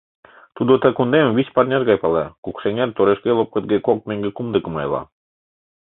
Тудо ты кундемым вич парняж гай пала: Кукшеҥер торешге-лопкытге кок меҥге кумдыкым айла.